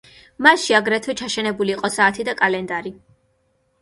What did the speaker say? მასში აგრეთვე ჩაშენებული იყო საათი და კალენდარი.